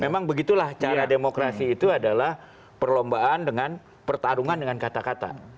memang begitulah cara demokrasi itu adalah perlombaan dengan pertarungan dengan kata kata